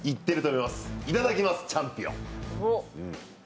いただきます、チャンピオン。